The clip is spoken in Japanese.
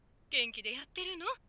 元気でやってるの？